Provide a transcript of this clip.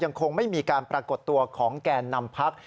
คงไม่มีการปรากฏตัวของแก่นำพัก